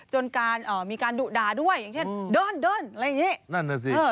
จนการมีการดุดาด้วยอย่างเช่นเดินอะไรอย่างนี้